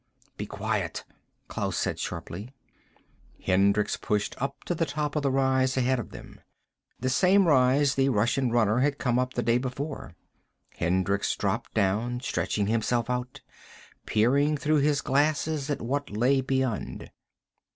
"Be quiet," Klaus said sharply. Hendricks pushed up to the top of the rise ahead of them. The same rise the Russian runner had come up, the day before. Hendricks dropped down, stretching himself out, peering through his glasses at what lay beyond.